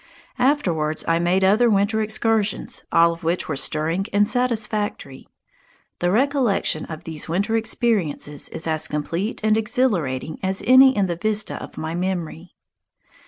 Afterwards I made other winter excursions, all of which were stirring and satisfactory. The recollection of these winter experiences is as complete and exhilarating as any in the vista of my memory.